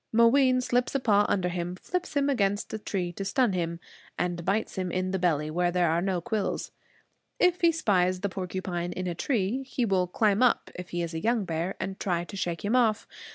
Mooween slips a paw under him, flips him against a tree to stun him, and bites him in the belly, where there are no quills. If he spies the porcupine in a tree, he will climb up, if he is a young bear, and try to shake him off.